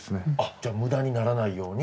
じゃあ無駄にならないように？